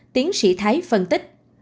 tiến sĩ thái phân tích